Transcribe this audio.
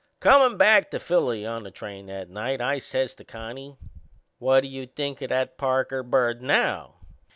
Comin' back to Philly on the train that night, I says to Connie: "What do you think o' that Parker bird now?"